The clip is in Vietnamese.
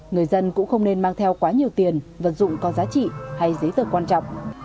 người dân cũng không nên mang theo quá nhiều tiền vật dụng có giá trị hay giấy tờ quan trọng